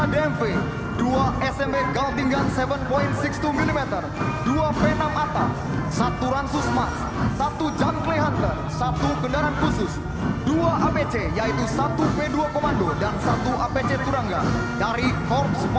tiga dmv dua smb galting gun tujuh enam puluh dua mm dua p enam atak satu ransus max satu junkley hunter satu gendaran khusus dua apc yaitu satu p dua komando dan satu apc turangga dari korps marinir